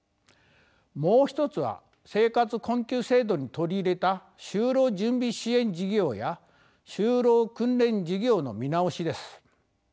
もう一つは生活困窮制度に取り入れた就労準備支援事業や就労訓練事業の見直しです。